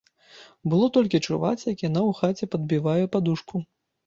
Было толькі чуваць, як яна ў хаце падбівае падушку.